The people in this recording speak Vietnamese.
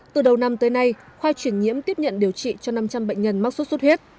từ đầu năm tới nay khoa chuyển nhiễm tiếp nhận điều trị cho năm trăm linh bệnh nhân mắc sốt xuất huyết